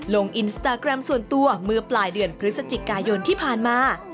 ลงอินสตาแกรมส่วนตัวเมื่อปลายเดือนพฤศจิกายนที่ผ่านมา